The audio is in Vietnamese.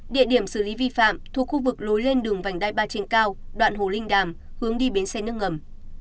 địa điểm xử lý vi phạm thuộc khu vực lối lên đường vành đai ba trên cao đoạn hồ linh đàm hướng đi bến xe nước ngầm